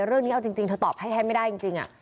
เรื่องนี้เอาจริงเธอตอบให้แทบไม่ได้จริง